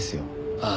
ああ。